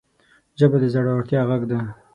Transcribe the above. ژبه د زړورتیا غږ ده